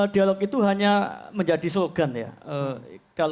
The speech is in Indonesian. dialog itu hanya menjadi slogan ya